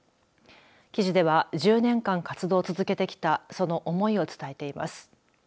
記事では１０年間活動を続けてきたその思いを伝えています。